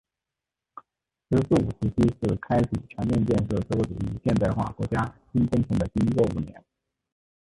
“十四五”时期是开启全面建设社会主义现代化国家新征程的第一个五年。